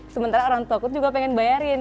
sementara orang tua aku juga pengen bayarin